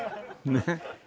ねっ？